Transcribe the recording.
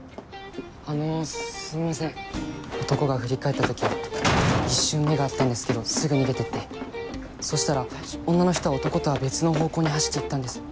あのすいません男が振り返った時一瞬目が合ったんですけどすぐ逃げてってそしたら女の人は男とは別の方向に走って行ったんです。